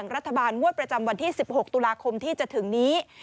รัฐบาลงวดประจำวันที่๑๖ตุลาคมที่จะถึงนี้